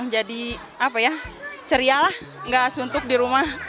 jadi apa ya ceria lah nggak suntuk di rumah